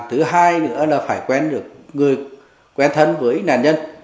thứ hai nữa là phải quen được người quen thân với nạn nhân